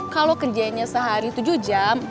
kalau kerjanya sehari tujuh jam